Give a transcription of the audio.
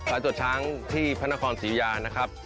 ตรวจช้างที่พระนครศรียานะครับ